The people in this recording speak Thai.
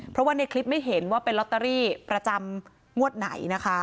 เพราะว่าในคลิปไม่เห็นว่าเป็นลอตเตอรี่ประจำงวดไหนนะคะ